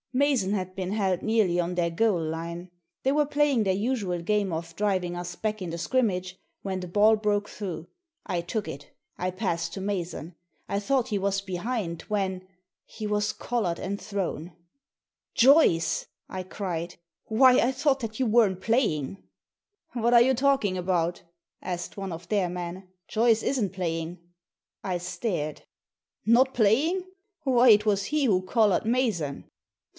Mason had been held nearly on their goal line. They were playing their usual g^ame of driving us back in the scrimmage, when the ball broke through. I took it I passed to Mason. I thought he was behind, when — he was collared and thrown. Joyce!" I cried. "Why, I thought that you weren't playing." "What are you talking about?" asked one of their men. "Joyce isn't playing." I stared. "Not playing! Why, it was he who collared Mason."